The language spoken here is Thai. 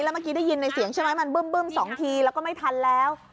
เมื่อกี้ได้ยินในเสียงใช่ไหมมันบึ้ม๒ทีแล้วก็ไม่ทันแล้ว